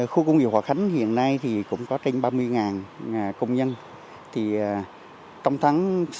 khu công nghiệp hòa khánh hiện nay cũng có trên ba mươi công nhân